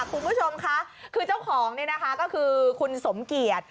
คุณผู้ชมค่ะคือเจ้าของนี่นะคะก็คือคุณสมเกียจ